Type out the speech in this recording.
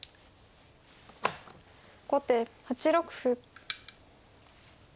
後手８六歩。